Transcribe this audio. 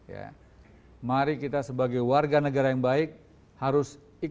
ya mari kita sebagai warga negara yang baik harus ikut dengan keputusan politik